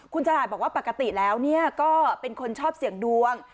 คุณฉลาดบอกว่าปกติแล้วก็เป็นคนชอบเสี่ยงดวง